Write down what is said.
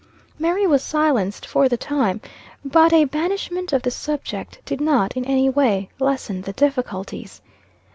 Mary was silenced for the time. But a banishment of the subject did not, in any way, lesson the difficulties.